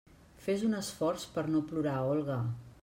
Fes un esforç per no plorar, Olga!